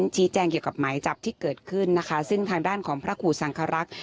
แจ้งเกี่ยวกับหมายจับที่เกิดขึ้นนะคะซึ่งทางด้านของพระครูสังครักษ์